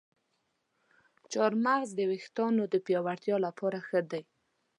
چارمغز د ویښتانو د پیاوړتیا لپاره ښه دی.